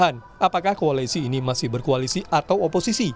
apakah koalisi ini masih berkoalisi atau oposisi